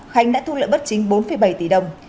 khánh đã thu lợi bất chính bốn bảy tỷ đồng